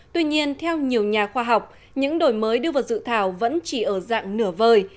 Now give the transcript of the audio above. tuy nhiên theo nhiều nhà khoa học những đổi mới đưa vào dự thảo vẫn chỉ ở dạng nửa vời